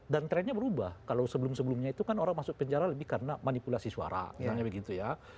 dan trennya berubah kalau sebelum sebelumnya itu kan orang masuk penjara lebih karena manipulasi suara misalnya begitu ya